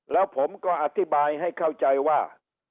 แล้วผมก็อธิบายให้เข้าใจว่า